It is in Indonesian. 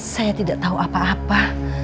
saya tidak tahu apa apa